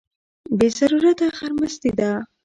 بې ضرورته خرمستي ده.